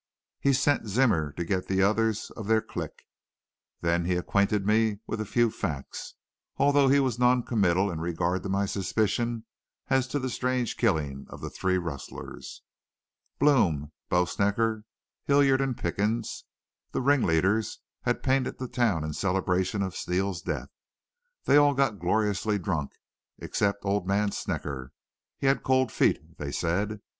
He sent Zimmer to get the others of their clique. Then he acquainted me with a few facts, although he was noncommittal in regard to my suspicion as to the strange killing of the three rustlers. "Blome, Bo Snecker, Hilliard, and Pickens, the ringleaders, had painted the town in celebration of Steele's death. They all got gloriously drunk except old man Snecker. He had cold feet, they said.